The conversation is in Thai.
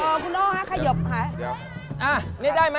อ๋อออขยับ